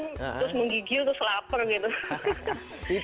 terus menggigil terus lapar gitu